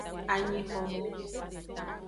Anyixo.